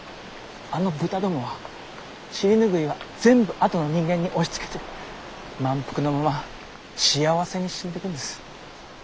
あのブタどもは尻ぬぐいは全部あとの人間に押しつけて満腹のまま幸せに死んでいくんです。